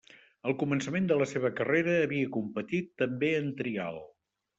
Al començament de la seva carrera havia competit també en trial.